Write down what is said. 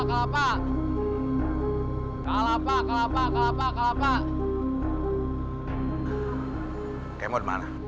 mak siapa sih